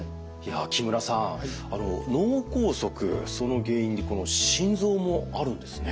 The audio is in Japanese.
木村さん脳梗塞その原因に心臓もあるんですね。